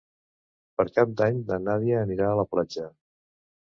Per Cap d'Any na Nina anirà a la platja.